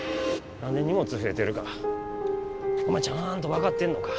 何で荷物増えてるかお前ちゃんと分かってんのか？